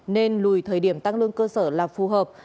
nên lùi thời điểm tăng lương cơ sở là phù hợp